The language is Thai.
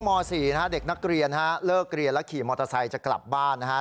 ม๔นะฮะเด็กนักเรียนฮะเลิกเรียนแล้วขี่มอเตอร์ไซค์จะกลับบ้านนะฮะ